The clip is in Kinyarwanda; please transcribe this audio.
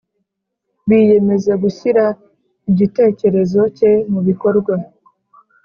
biyemeza gushyira igitekerezo cye mu bikorwa